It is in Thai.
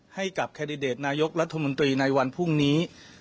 ให้กับแคนนเดตนายกรัฐมนตรีในวันพวกนี้